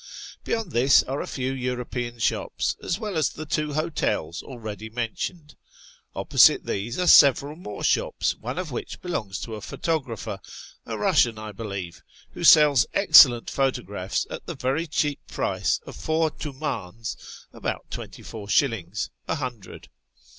Beyond this are a few European .shops, as well as the two hotels already mentioned ; opposite these are several more shops, one of which belongs to a photographer — a Eussian, I believe — who sells excellent photographs at the very cheap price of four titindiis (about twenty four shillings) a hundred.